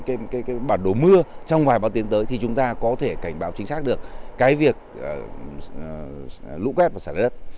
nếu chúng ta có cái bản đồ mưa trong vài ba tiếng tới thì chúng ta có thể cảnh báo chính xác được lũ quét và xảy ra đất